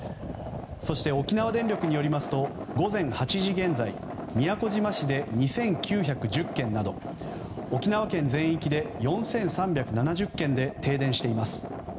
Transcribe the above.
そして、沖縄電力によりますと午前８時現在宮古島市で２９１０軒など沖縄県全域で４３７０軒で停電しています。